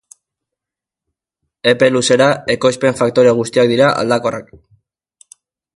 Epe luzera ekoizpen-faktore guztiak dira aldakorrak.